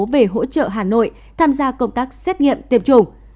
về hỗ trợ hà nội tham gia công tác xét nghiệm tiêm chủng